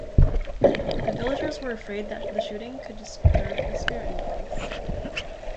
The villagers were afraid that the shooting could disturb the spirit in the place.